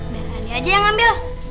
biar ali aja yang ambil